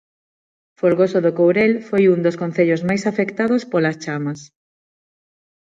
Folgoso do Courel foi un dos concellos máis afectados polas chamas.